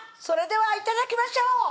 それでは頂きましょう！